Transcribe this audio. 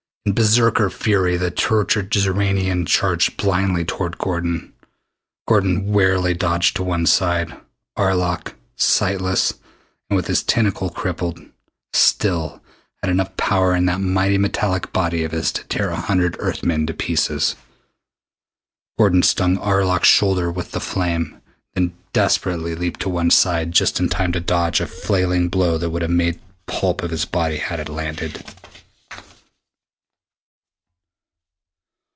In berserker fury the tortured Xoranian charged blindly toward Gordon. Gordon warily dodged to one side. Arlok, sightless, and with his tentacle crippled, still had enough power in that mighty metallic body of his to tear a hundred Earth men to pieces. Gordon stung Arlok's shoulder with the flame, then desperately leaped to one side just in time to dodge a flailing blow that would have made pulp of his body had it landed.